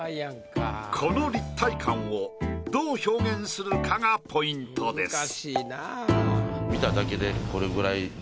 この立体感をどう表現するかがポイントです。